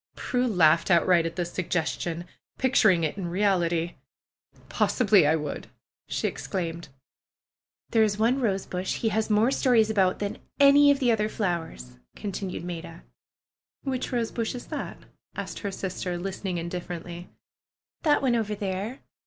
Prue laughed outright at this suggestion, picturing it in reality. "Possibly I would!" she exclaimed. "There is one rosebush he has more stories about than about any of the other flowers," continued Maida. "Which rosebush is that?" asked her sister, listening indifferently. "That one over there!"